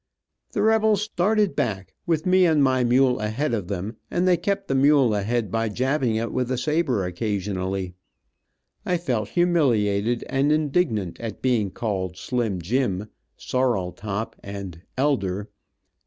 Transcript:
The rebels started back, with me and my mule ahead of them, and they kept the mule ahead by jabbing it with a saber occasionally. I felt humiliated and indignant at being called slim jim, sorrel top, and elder.